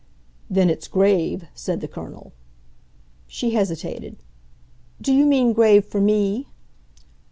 "Then it's grave," said the Colonel. She hesitated. "Do you mean grave for me?"